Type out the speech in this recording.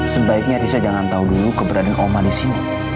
sebaiknya riza jangan tau dulu keberadaan omah disini